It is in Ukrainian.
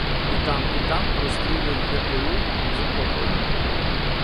І там, і там розстріляних ҐПУ закопує.